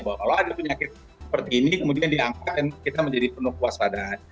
bahwa kalau ada penyakit seperti ini kemudian diangkat dan kita menjadi penuh kewaspadaan